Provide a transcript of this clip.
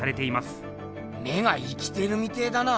目が生きてるみてえだな。